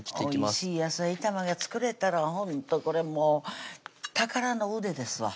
おいしい野菜炒めが作れたらほんとこれもう宝の腕ですわ